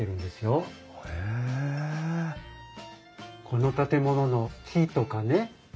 この建物の木とかね